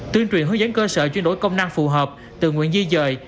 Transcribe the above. tuyên truyền hướng dẫn cơ sở chuyên đổi công năng phù hợp từ nguyện di dời